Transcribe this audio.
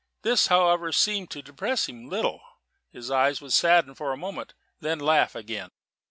This, however, seemed to depress him little. His eyes would sadden for a moment, then laugh again.